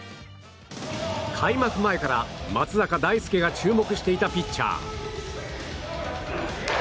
開幕前から松坂大輔が注目していたピッチャー